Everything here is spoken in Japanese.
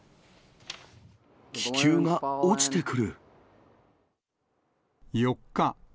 気球が落ちてくる。